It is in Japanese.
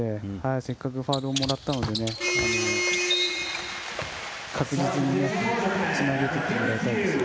せっかくファウルをもらったので確実につなげていってもらいたいですね。